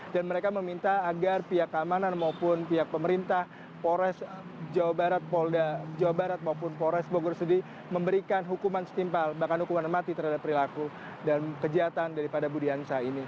dan mereka meminta agar pihak keamanan maupun pihak pemerintah polres jawa barat maupun polres bogor sudi memberikan hukuman setimpal bahkan hukuman mati terhadap perilaku dan kejahatan daripada budi hansa ini